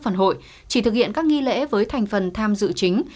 phần hội chỉ thực hiện các nghi lễ với thành phần tham dự chính